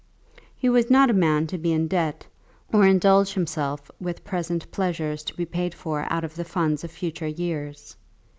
He was not a man to be in debt, or indulge himself with present pleasures to be paid for out of the funds of future years.